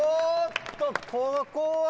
ここは。